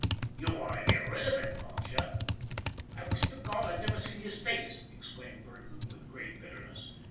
You want to get rid of him, don't you ?"" I wish to God I'd never seen his face !" exclaimed Burton, with great bitterness.